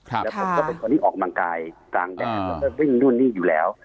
แล้วผมก็เป็นคนที่ออกกำลังกายกลางแดนแล้วก็วิ่งนู่นนี่อยู่แล้ว